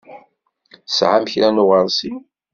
Tesɛam kra n uɣeṛsiw?